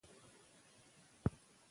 دا سندره په یو مست او طنان غږ ویل کېږي.